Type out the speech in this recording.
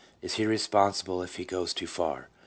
Is he responsible if he goes too far?